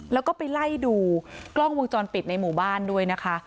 แล้วก็ไปไล่ดูกล้องวงจรปิดในหมู่บ้านด้วยนะคะ